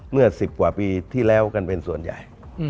เมื่อ๑๐กว่าปีที่แล้วกันเป็นส่วนใหญ่